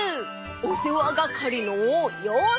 おせわがかりのようせい！